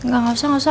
gak usah gak usah